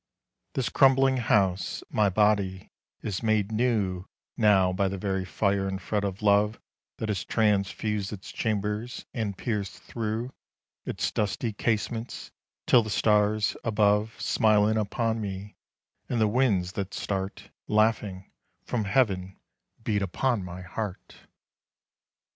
This crumbling house, my body, is made new Now by the very fire and fret of love That has transfused its chambers and pierced through Its dusty casements till the stars above Smile in upon me, and the winds that start Laughing from Heaven beat upon my heart.